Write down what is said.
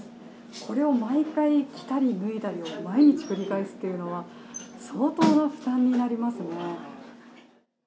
これを毎回着たり脱いだり、毎日繰り返すっていうのは相当な負担になりますね。